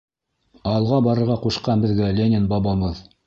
Алға барырға ҡушҡан беҙгә Ленин бабабыҙ!